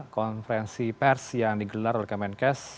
konferensi pers yang digelar oleh kemenkes